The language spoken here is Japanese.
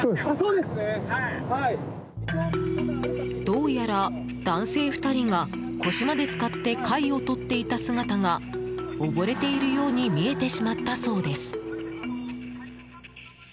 どうやら男性２人が腰まで浸かって貝をとっていた姿が溺れているように見えてしまったそうです。